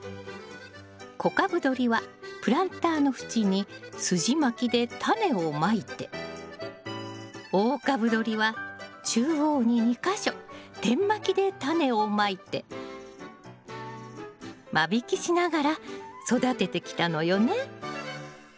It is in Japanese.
小株どりはプランターの縁にすじまきでタネをまいて大株どりは中央に２か所点まきでタネをまいて間引きしながら育ててきたのよね。